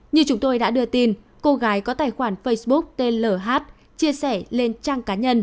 như chúng tôi đã đưa tin cô gái có tài khoản facebook tên l chia sẻ lên trang cá nhân